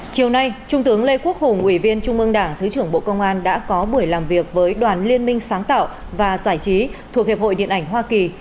chiều nay trung tướng lê quốc hùng ủy viên trung mương đảng thứ trưởng bộ công an đã có buổi làm việc với đoàn liên minh sáng tạo và giải trí thuộc hiệp hội điện ảnh hoa kỳ